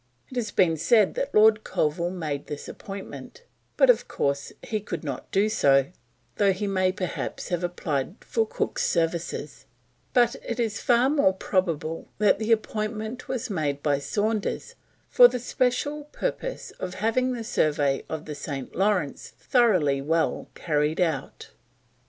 It has been said that Lord Colville made this appointment, but of course he could not do so, though he may perhaps have applied for Cook's services, but it is far more probable that the appointment was made by Saunders for the special purpose of having the survey of the St. Lawrence thoroughly well carried out.